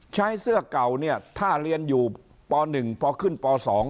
เสื้อเก่าเนี่ยถ้าเรียนอยู่ป๑พอขึ้นป๒